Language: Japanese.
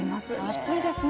暑いですね。